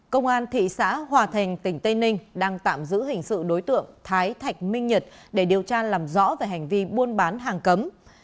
công an thị xã hòa thành tỉnh tây ninh đang tạm giữ hình sự đối tượng thái thạch minh nhật để điều tra làm rõ về hành vi buôn bán hàng cấm